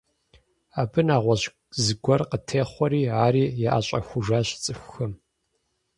Абы нэгъуэщӏ зыгуэр къытехъуэри, ари яӏэщӏэхужащ цӏыхухэм.